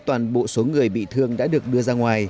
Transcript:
toàn bộ số người bị thương đã được đưa ra ngoài